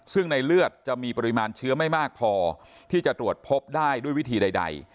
ซึ่งในเลือดจะมีปริมาณเชื้อไม่มากพอที่จะตรวจพบได้ด้วยวิธีใด